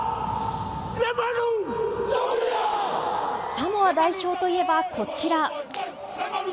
サモア代表といえばこちら。